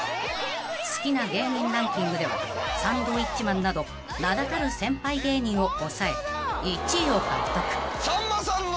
［好きな芸人ランキングではサンドウィッチマンなど名だたる先輩芸人を抑え１位を獲得］